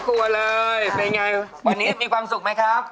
วันนี้มีความสุขไหมครับ